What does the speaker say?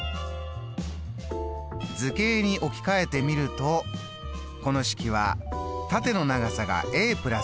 図形に置き換えてみるとこの式は縦の長さが＋